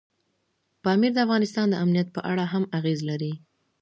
پامیر د افغانستان د امنیت په اړه هم اغېز لري.